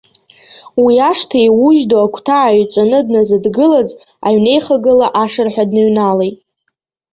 Уи ашҭа еиужь ду агәҭа ааиҩҵәаны дназыдгылаз, аҩнеихагыла ашырҳәа дныҩналеит.